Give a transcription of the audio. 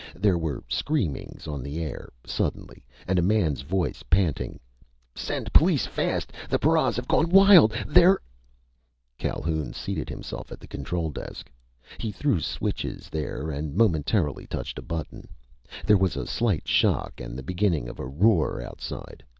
There were screamings on the air, suddenly, and a man's voice panting: "_Send police here fast! The paras have gone wild. They're _" Calhoun seated himself at the control desk. He threw switches there. He momentarily touched a button. There was a slight shock and the beginning of a roar outside.